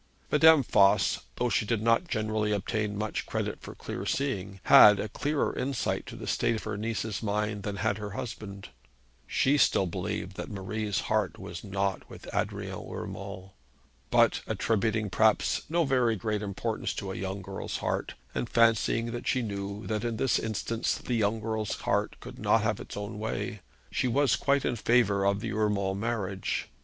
Madame Voss, though she did not generally obtain much credit for clear seeing, had a clearer insight to the state of her niece's mind than had her husband. She still believed that Marie's heart was not with Adrian Urmand. But, attributing perhaps no very great importance to a young girl's heart, and fancying that she knew that in this instance the young girl's heart could not have its own way, she was quite in favour of the Urmand marriage.